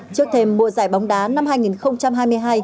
trước thêm mùa giải bóng đá năm hai nghìn hai mươi hai